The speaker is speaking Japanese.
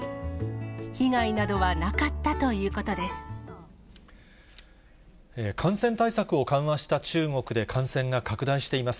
被害などはなかったということです。